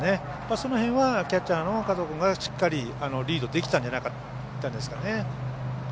その辺はキャッチャーの加藤君がしっかりリードできたんじゃないですかね。